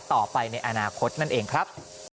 ต่อไปในอนาคตนั่นเองครับ